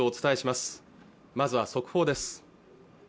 まずは速報です